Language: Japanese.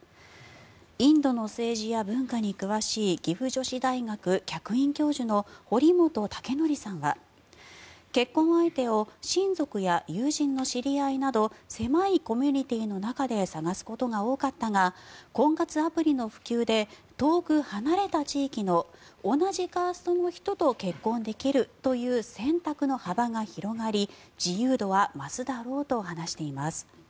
インドの政治や文化に詳しい岐阜女子大学客員教授の堀本武功さんは結婚相手を親族や友人の知り合いなど狭いコミュニティーの中で探すことが多かったが婚活アプリの普及で遠く離れた地域の同じカーストの人と結婚できるという選択の幅が広がり自由度は増すだろうと話しています。